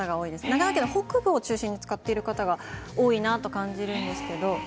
長野県北部を中心に使っている方が多いなと感じます。